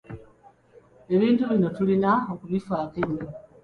Ebintu bino tulina okubifaako ennyo.